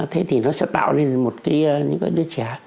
thế thì nó sẽ tạo nên một cái đứa trẻ